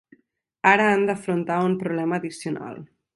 Ara han d’afrontar un problema addicional.